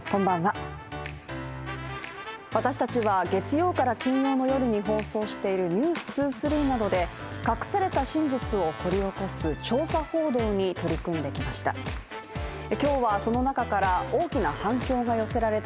私たちは月曜日から金曜日の夜に放送している「ｎｅｗｓ２３」などで隠された真実を掘り起こす調査報道に取り組んできました。